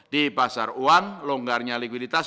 di pasar uang longgarnya likuiditas